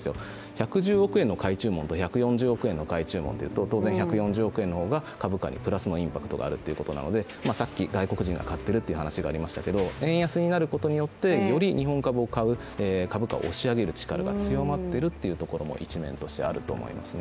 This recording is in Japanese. １１０億円の買い注文と１４０億円の買い注文というと当然１４０億円の方が、株価にプラスのインパクトがあるということでさっき外国人が買ってるって話がありましたけど円安になることによって、より日本株を買う株価を押し上げる力が強まっているというところも一面としてあると思いますね。